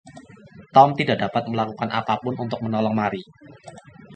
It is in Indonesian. Tom tidak dapat melakukan apapun untuk menolong Mary.